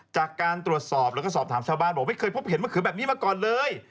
จากการตรวจสอบแล้วก็สอบถามชาวบ้านบอกไม่เคยพบเห็นมะเขือแบบนี้มาก่อนเลย